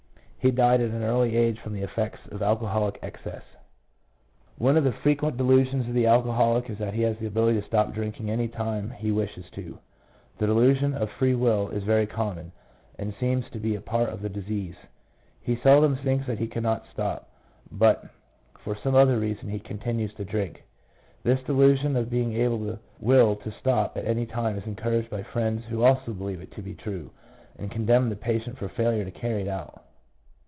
He died at an early age from the effects of alcoholic excess. One of the frequent delusions of the alcoholic is that he has ability to stop drinking any time when he wishes to. The delusion of free will is very common, and seems to be a part of the disease. He seldom thinks that he cannot stop, but for some other reason he continues to drink. This delusion of being able to will to stop at any time is encouraged by friends who also believe it to be true, and condemn the patient for failure to carry it out.